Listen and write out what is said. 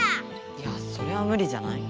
いやそれはムリじゃない？